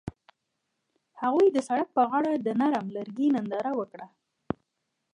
هغوی د سړک پر غاړه د نرم لرګی ننداره وکړه.